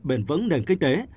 bền vững nền kinh tế